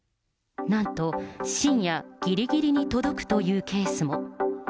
なんと深夜ぎりぎりに届くというケースも。